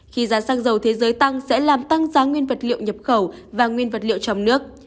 khi giá xăng dầu thế giới tăng sẽ làm tăng giá nguyên vật liệu nhập khẩu và nguyên vật liệu trong nước